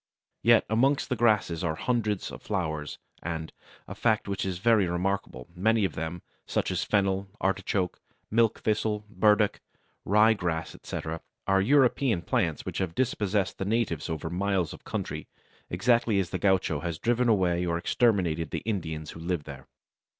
Yet amongst the grasses are hundreds of flowers, and, a fact which is very remarkable, many of them, such as Fennel, Artichoke, Milk Thistle, Burdock, Rye Grass, etc., are European plants which have dispossessed the natives over miles of country, exactly as the gaucho has driven away or exterminated the Indians who lived there.